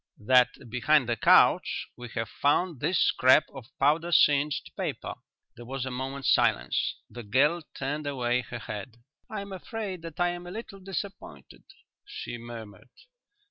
"That behind the couch we have found this scrap of powder singed paper." There was a moment's silence. The girl turned away her head. "I am afraid that I am a little disappointed," she murmured.